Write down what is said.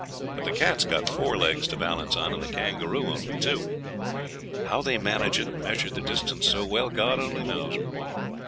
But the cat's got four legs to balance on and the kangaroo only two. How they manage it and measure the distance so well, God only knows.